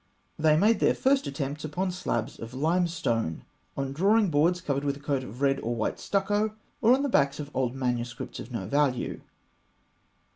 They made their first attempts upon slabs of limestone, on drawing boards covered with a coat of red or white stucco, or on the backs of old manuscripts of no value.